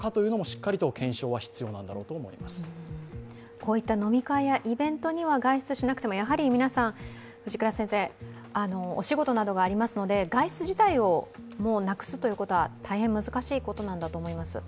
こういった飲み会やイベントには外出しなくてもやはり、皆さんお仕事などがありますので外出自体をなくすということは大変難しいことだと思います。